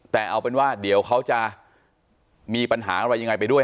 แต่เอาเป็นว่าเดี๋ยวเขาจะมีปัญหาอะไรยังไงไปด้วย